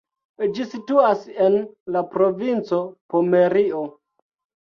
Ĝi situas en la provinco Pomerio.